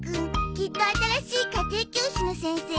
きっと新しい家庭教師の先生よ。